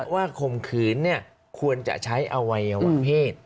ว่าขมขืนเนี่ยควรจะใช้อวัยวะเพศ